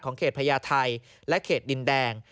ของเขตพระยาทัยและเขตดินแดง